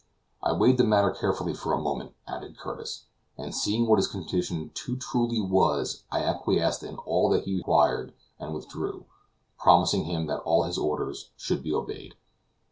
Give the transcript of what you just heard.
"I weighed the matter carefully for a moment," added Curtis, "and seeing what his condition too truly was, I acquiesced in all that he required and withdrew, promising him that all his orders should be obeyed."